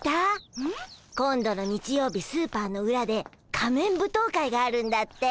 うん？今度の日曜日スーパーのうらで仮面舞踏会があるんだって。